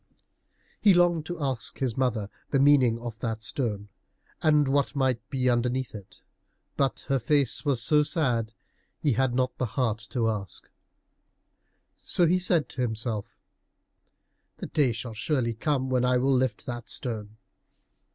He longed to ask his mother the meaning of that stone, and what might be underneath it, but her face was so sad that he had not the heart to ask. So he said to himself, "The day shall surely come when I will lift that stone."